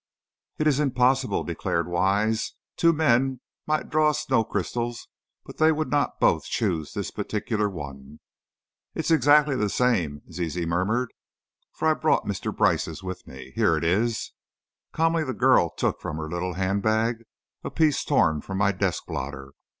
"It is impossible," declared Wise. "Two men might draw snow crystals, but they would not both choose this particular one." "It's exactly the same," Zizi murmured, "for I brought Mr. Brice's with me: here it is." Calmly the girl took from her little hand bag a piece torn from my desk blotter.